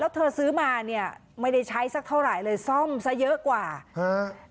แล้วเธอซื้อมาเนี่ยไม่ได้ใช้สักเท่าไหร่เลยซ่อมซะเยอะกว่าฮะ